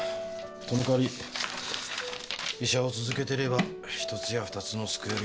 「その代わり医者を続けてれば１つや２つの救える命はある」